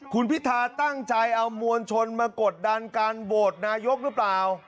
คุณพิธาตั้งใจเอามวลชนมากดดันการโหวตนายกหรือเปล่า